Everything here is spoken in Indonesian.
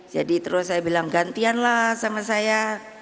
jadi terus saya bilang gantianlah sama saya